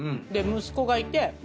息子がいて。